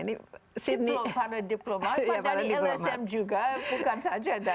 diploma para diplomat dari lsm juga bukan saja